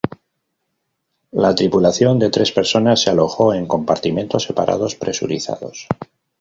La tripulación de tres personas se alojó en compartimientos separados, presurizados.